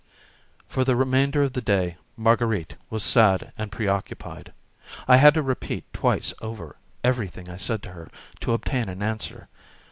For the remainder of the day Marguerite was sad and preoccupied. I had to repeat twice over everything I said to her to obtain an answer.